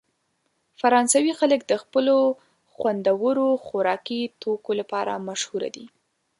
فرانسوي خلک د خپلو خوندورو خوراکي توکو لپاره مشهوره دي.